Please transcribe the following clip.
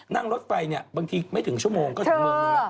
นั่งรถไฟบางทีไม่ถึงชั่วโมงก็ชั่วโมงเลย